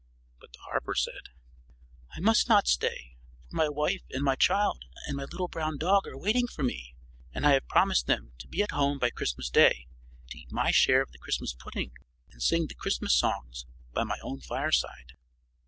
But the harper said, "I must not stay, for my wife and my child and my little brown dog are waiting for me, and I have promised them to be at home by Christmas day to eat my share of the Christmas pudding and sing the Christmas songs by my own fireside."